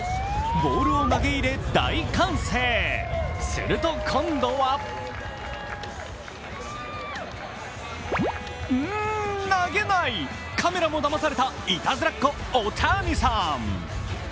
ボールを投げ入れ大歓声、すると今度はん投げない、カメラもだまされたいたずらっ子・大谷さん。